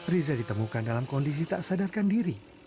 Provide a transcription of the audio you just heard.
riza ditemukan dalam kondisi tak sadarkan diri